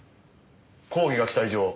抗議が来た以上